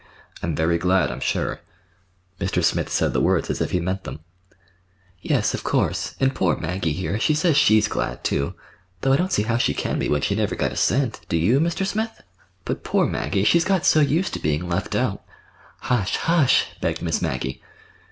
"I'm very glad, I'm sure." Mr. Smith said the words as if he meant them. "Yes, of course; and poor Maggie here, she says she's glad, too,—though I don't see how she can be, when she never got a cent, do you, Mr. Smith? But, poor Maggie, she's got so used to being left out—" "Hush, hush!" begged Miss Maggie.